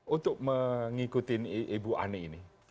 untuk mengikuti ibu ani ini